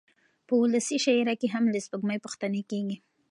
په ولسي شاعرۍ کې هم له سپوږمۍ پوښتنې کېږي.